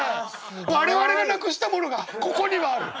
我々がなくしたものがここにはある。